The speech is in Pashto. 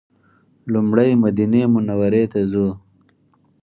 لومړی مدینې منورې ته ځو.